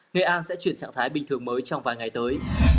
nghệ an sẽ chuyển trạng thái bình thường mới trong vài ngày tới